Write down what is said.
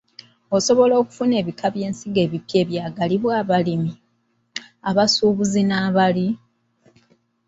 Osobola okufuna ebika by’ensigo ebipya ebyagalibwa abalimi, abasuubuzi n’abalyi?